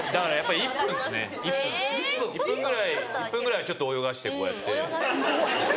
１分ぐらいちょっと泳がしてこうやって。